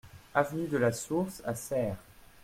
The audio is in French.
Avenue de la Source à Serres